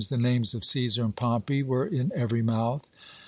The names of Cæsar and Pompey were in every mouth.